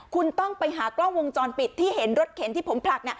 คุณต้องไปหากล้องวงจรปิดที่เห็นรถเข็นที่ผมผลัก